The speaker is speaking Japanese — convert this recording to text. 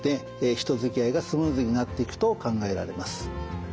人づきあいがスムーズになっていくと考えられます。